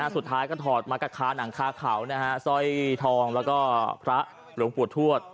สุดท้ายก็ถอดมากับคาหนังคาเขาสร้อยทองแล้วก็พระหลวงปู่ทวด